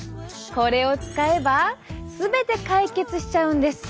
これを使えば全て解決しちゃうんです！